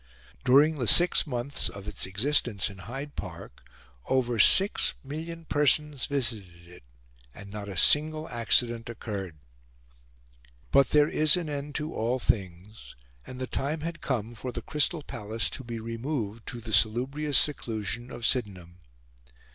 During the six months of its existence in Hyde Park over six million persons visited it, and not a single accident occurred. But there is an end to all things; and the time had come for the Crystal Palace to be removed to the salubrious seclusion of Sydenham.